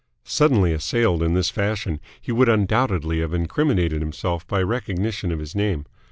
Suddenly assailed in this fashion, he would undoubtedly have incriminated himself by recognition of his name.